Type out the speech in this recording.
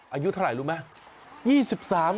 อายุเท่าไหร่รู้ไหม